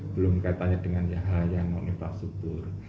belum kaitannya dengan hal yang non infrastruktur